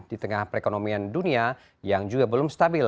di tengah perekonomian dunia yang juga belum stabil